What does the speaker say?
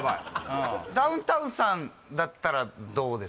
ダウンタウンさんだったらどうです？